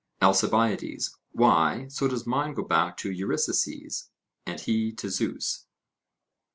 ALCIBIADES: Why, so does mine go back to Eurysaces, and he to Zeus!